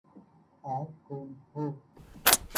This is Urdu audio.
آپ کون ہو؟